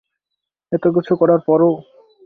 এতোকিছু করার পরও!